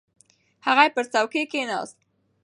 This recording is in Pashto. هغه پر څوکۍ کښېناست.